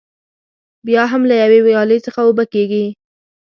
بیا هم له یوې ویالې څخه اوبه کېږي.